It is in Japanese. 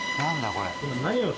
これ。